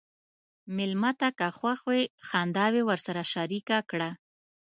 مېلمه ته که خوښ وي، خنداوې ورسره شریکه کړه.